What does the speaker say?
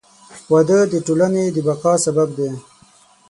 • واده د ټولنې د بقا سبب دی.